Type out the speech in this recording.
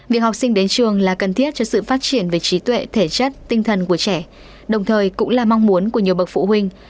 việc học sinh đến trường là cần thiết cho sự phát triển về trí tuệ thể chất tinh thần của trẻ đồng thời cũng là mong muốn của nhiều bậc phụ huynh